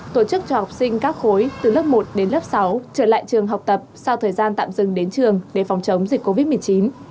tổ chức cho học sinh các khối từ lớp một đến lớp sáu trở lại trường học tập sau thời gian tạm dừng đến trường để phòng chống dịch covid một mươi chín